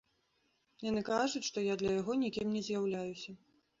Яны кажуць, што я для яго нікім не з'яўляюся.